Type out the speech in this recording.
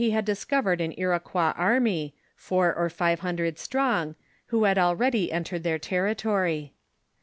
166 had discovered an Iroquois army, four or five hundred strong, who had already entered their territory.